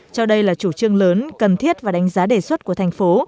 cho đây là chủ trương lớn cần thiết và đánh giá đề xuất của thành phố